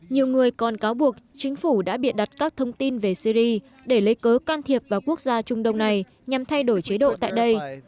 nhiều người còn cáo buộc chính phủ đã biện đặt các thông tin về syri để lấy cớ can thiệp vào quốc gia trung đông này nhằm thay đổi chế độ tại đây